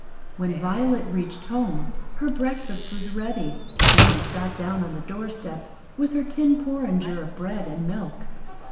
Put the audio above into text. When Violet reached home her breakfast was ready, and she sat down on the doorstep with her tin porringer of bread and milk.